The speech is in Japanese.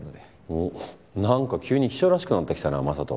おっ何か急に秘書らしくなってきたな眞人。